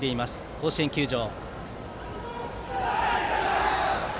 甲子園球場。